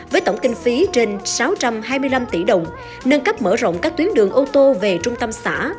với tổng kinh phí trên sáu trăm hai mươi năm tỷ đồng nâng cấp mở rộng các tuyến đường ô tô về trung tâm xã